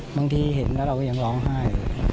บางทีเห็นแล้วเราก็ยังร้องไห้